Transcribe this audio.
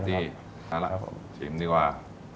เอาล่ะผมชิมดีกว่า